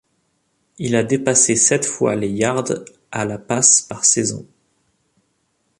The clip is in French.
Il a dépassé sept fois les yards à la passe par saison.